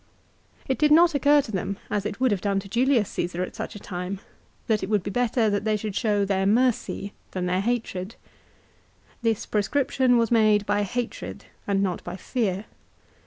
It did not occur to them, as it would have done to Julius Csesar at such a time, that it would be better that they should show their mercy than their hatred. This proscription was made by hatred and not by fear.